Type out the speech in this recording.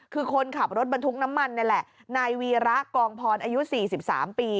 คือคนขับรถบรรทุกน้ำมันนี่แหละนายวีระกองพรอายุ๔๓ปี